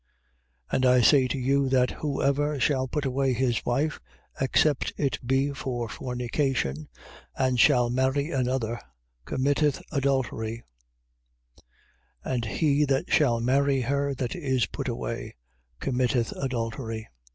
19:9. And I say to you, that whosoever shall put away his wife, except it be for fornication, and shall marry another, committeth adultery: and he that shall marry her that is put away, committeth adultery.